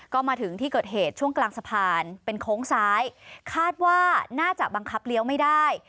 ก็มาถึงที่เกิดเหตุช่วงกลางสะพานเป็นโค้งซ้ายคาดว่าน่าจะบังคับเลี้ยวไม่ได้